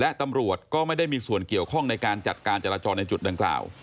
และตำรวจก็ไม่ได้มีส่วนเกี่ยวข้องในการจัดการจราจรในจุดดังกล่าว